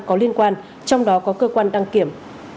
có liên quan trong đó có cơ quan đăng kiểm